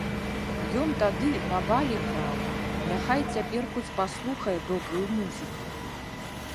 Ён тады на балі граў, няхай цяпер хоць паслухае добрую музыку.